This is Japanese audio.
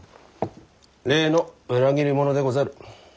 例の裏切り者でござる。